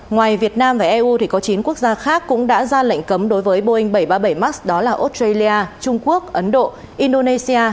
ngoài việt nam và eu thì có chín quốc gia khác cũng đã ra lệnh cấm đối với boeing bảy trăm ba mươi bảy max đó là australia trung quốc ấn độ indonesia